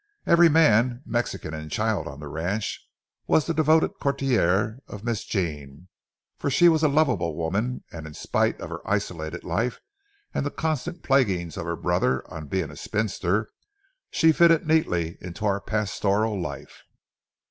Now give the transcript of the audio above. Every man, Mexican and child on the ranch was the devoted courtier of Miss Jean, for she was a lovable woman; and in spite of her isolated life and the constant plaguings of her brother on being a spinster, she fitted neatly into our pastoral life.